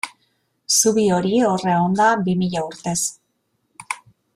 Zubi hori hor egon da bi mila urtez.